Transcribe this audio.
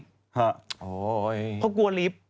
เพราะกลัวลิฟต์